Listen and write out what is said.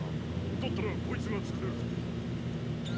だったらこいつが作れるぞ。